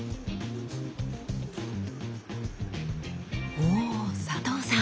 ほお佐藤さん